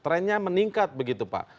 trendnya meningkat begitu pak